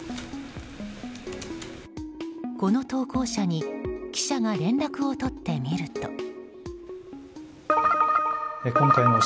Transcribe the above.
この投稿者に記者が連絡を取ってみると。